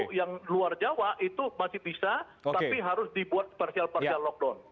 untuk yang luar jawa itu masih bisa tapi harus dibuat spesial partial lockdown